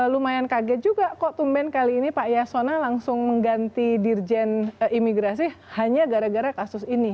lumayan kaget juga kok tumben kali ini pak yasona langsung mengganti dirjen imigrasi hanya gara gara kasus ini